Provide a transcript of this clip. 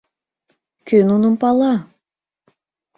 Кӧ нуным пала?